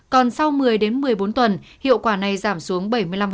còn sau một mươi đến một mươi bốn tuần hiệu quả này giảm xuống bảy mươi năm